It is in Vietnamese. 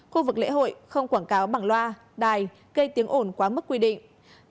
khu vực lễ hội không quảng cáo bằng loa đài gây tiếng ổn quá mức quy định